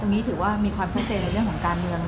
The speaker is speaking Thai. อันนี้ถือว่ามีความชัดเจนในเรื่องของการเมือง